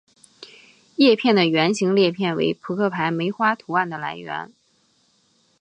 叶片的圆形裂片为扑克牌梅花图案的来源。